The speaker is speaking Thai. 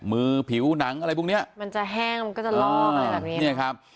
ผิวหนังอะไรพวกเนี้ยมันจะแห้งมันก็จะล่ออะไรแบบนี้เนี่ยครับ